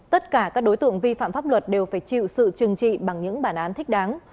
tất cả các đối tượng vi phạm pháp luật đều phải chịu sự trừng trị bằng những bản án thích đáng